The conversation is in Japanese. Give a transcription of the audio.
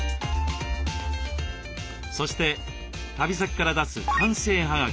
そして旅先から出す官製はがきと切手。